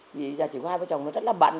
vì giờ chỉ có hai vợ chồng nó rất là bận